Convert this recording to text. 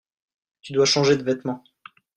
Tu dois changer de vêtements.